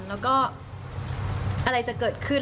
แล้วก็อะไรจะเกิดขึ้น